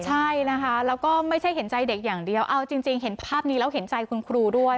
ใช่นะคะแล้วก็ไม่ใช่เห็นใจเด็กอย่างเดียวเอาจริงเห็นภาพนี้แล้วเห็นใจคุณครูด้วย